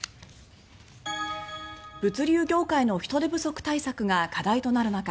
物流業界の人手不足対策が課題となる中